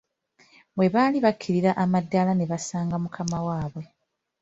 Bwe baali bakkirira amadaala ne basanga mukama waabwe!